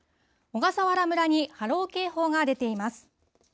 小笠原村に波浪警報が出ています。